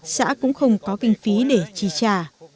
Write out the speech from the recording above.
xã cũng không có kinh phí để chi trả